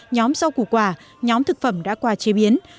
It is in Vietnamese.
nhóm rau củ quả nhóm thực phẩm đã qua chế biến